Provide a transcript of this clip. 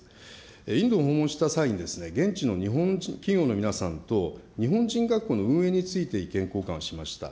インドを訪問した際に、現地の日本企業の皆さんと日本人学校の運営について意見交換をしました。